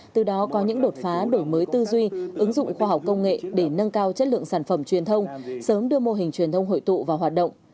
từ đó có những đột phá đổi mới tư duy ứng dụng khoa học công nghệ để nâng cao chất lượng sản phẩm truyền thông sớm đưa mô hình truyền thông hội tụ vào hoạt động